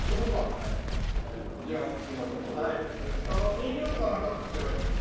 人形とかなんか作ってないんですか？